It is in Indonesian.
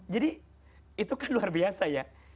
jadi itu kan luar biasa ya